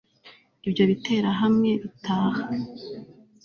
ibyo biterahamwe bitaha